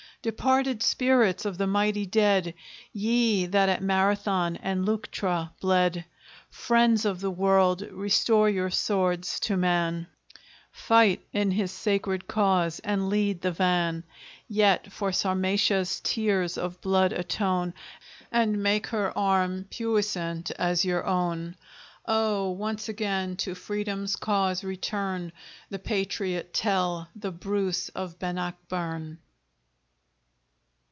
Departed spirits of the mighty dead! Ye that at Marathon and Leuctra bled! Friends of the world! restore your swords to man, Fight in his sacred cause, and lead the van; Yet for Sarmatia's tears of blood atone, And make her arm puissant as your own; Oh! once again to Freedom's cause return The patriot Tell, the Bruce of Bannockburn!